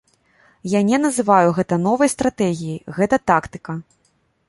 Я не называю гэта новай стратэгіяй, гэта тактыка.